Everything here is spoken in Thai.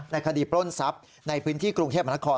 คดีปล้นทรัพย์ในพื้นที่กรุงเทพมนาคม